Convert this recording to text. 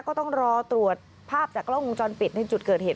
ก็ต้องรอตรวจภาพจากกล้องวงจรปิดในจุดเกิดเหตุ